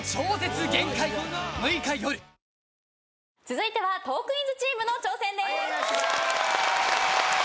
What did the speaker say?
続いてはトークィーンズチームの挑戦です。